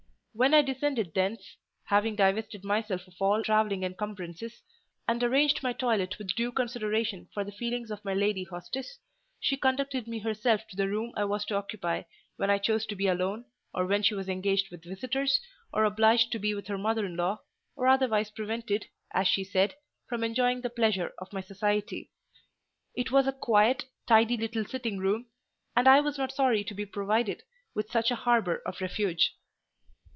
When I descended thence—having divested myself of all travelling encumbrances, and arranged my toilet with due consideration for the feelings of my lady hostess, she conducted me herself to the room I was to occupy when I chose to be alone, or when she was engaged with visitors, or obliged to be with her mother in law, or otherwise prevented, as she said, from enjoying the pleasure of my society. It was a quiet, tidy little sitting room; and I was not sorry to be provided with such a harbour of refuge.